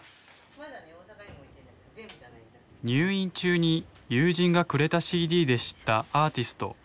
入院中に友人がくれたＣＤで知ったアーティスト。